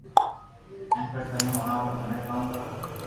ھي پر تمي ھڻاوُ مني ڪاو ڪرو